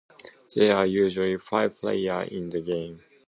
There are usually five players in the game.